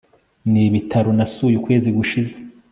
Nibitaro nasuye ukwezi gushize